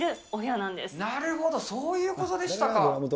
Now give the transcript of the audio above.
なんなるほど、そういうことでしたか。